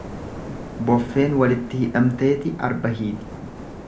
Boffeen walitti hidhamteeti arba hiiti.